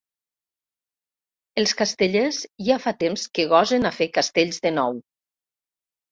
Els castellers ja fa temps que gosen a fer castells de nou.